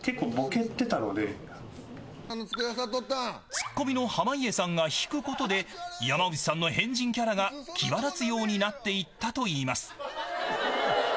ツッコミの濱家さんが引くことで山内さんの変人キャラが際立つようになっていったといいます。